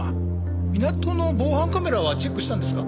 港の防犯カメラはチェックしたんですか？